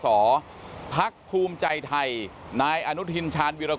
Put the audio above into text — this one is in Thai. กรกตกลางได้รับรายงานผลนับคะแนนจากทั่วประเทศมาแล้วร้อยละ๔๕๕๔พักการเมืองที่มีแคนดิเดตนายกคนสำคัญ